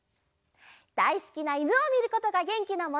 だいすきないぬをみることがげんきのもと！